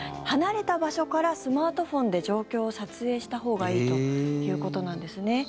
離れた場所からスマートフォンで状況を撮影したほうがいいということなんですね。